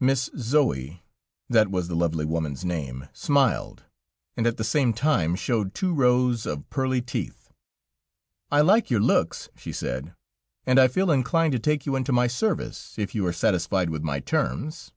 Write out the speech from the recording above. Miss Zoë that was the lovely woman's name smiled, and at the same time showed two rows of pearly teeth. "I like your looks," she said, "and I feel inclined to take you into my service, if you are satisfied with my terms."